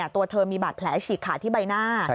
ตัวเธอมีบาดแผลฉีกขาดที่ใบหน้า